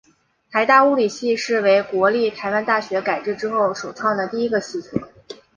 台大物理系是为国立台湾大学改制之后首创的第一个系所。